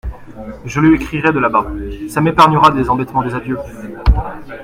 Je lui écrirai de là-bas… ça m’épargnera les embêtements des adieux !…